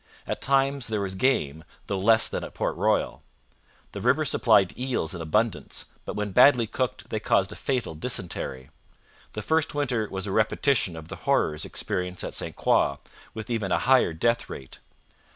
At times there was game, though less than at Port Royal. The river supplied eels in abundance, but when badly cooked they caused a fatal dysentery. The first winter was a repetition of the horrors experienced at St Croix, with even a higher death rate.